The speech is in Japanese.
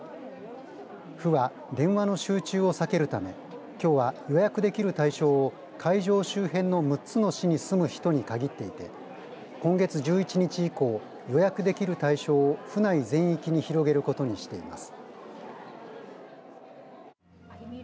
府は電話の集中を避けるためきょうは予約できる対象を会場周辺の６つの市に住む人に限っていて今月１１日以降予約できる対象を府内全域に広げることにしています。